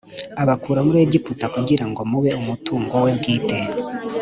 abakura muri Egiputa kugira ngo mube umutungo we bwite